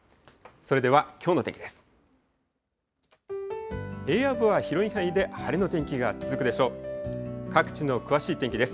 それではきょうの天気です。